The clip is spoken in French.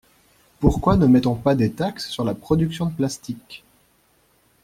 Pourquoi ne met-on pas des taxes sur la production de plastique?